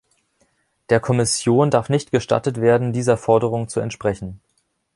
Der Kommission darf nicht gestattet werden, dieser Forderung zu entsprechen.